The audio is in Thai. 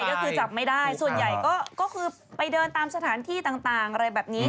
ก็คือจับไม่ได้ส่วนใหญ่ก็คือไปเดินตามสถานที่ต่างอะไรแบบนี้